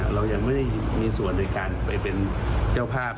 เรายังไม่มีส่วนในการไปเป็นเจ้าภาพ